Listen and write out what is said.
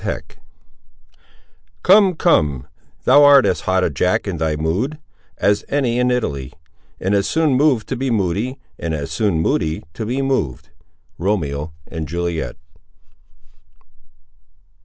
CHAPTER III Come, come, thou art as hot a Jack in thy mood, as any in Italy; and as soon mov'd to be moody, and as soon moody to be moved. —Romeo and Juliet.